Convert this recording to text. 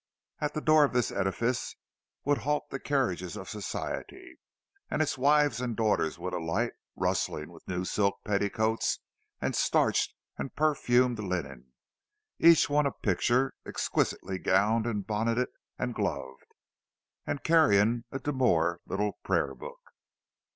At the door of this edifice would halt the carriages of Society, and its wives and daughters would alight, rustling with new silk petticoats and starched and perfumed linen, each one a picture, exquisitely gowned and bonneted and gloved, and carrying a demure little prayer book.